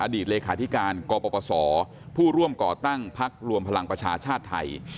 ตเลขาธิการกปศผู้ร่วมก่อตั้งพักรวมพลังประชาชาติไทย